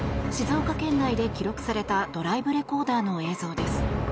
静岡県内で記録されたドライブレコーダーの映像です。